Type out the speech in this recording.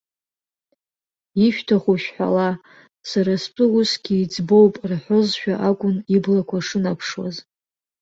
Ишәҭаху шәҳәала, сара стәы усгьы иӡбоуп рҳәозшәа акәын иблақәа шынаԥшуаз.